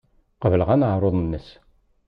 Qebleɣ aneɛruḍ-nnes.